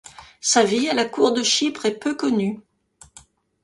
Sa vie à la cour de Chypre est peu connue.